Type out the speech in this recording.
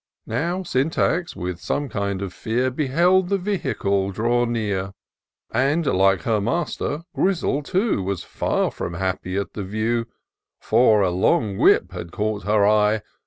Now Syntax, with some kind of fear. Beheld the vehicle draw near ; And, like her master. Grizzle too Was far from happy at the view ; For a long whip had caught her eye.